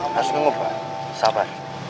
harus nunggu pak sabar